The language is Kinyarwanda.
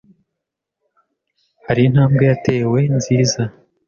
hari intambwe yatewe nziza